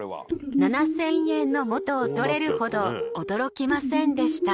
７０００円の元を取れるほど驚きませんでした。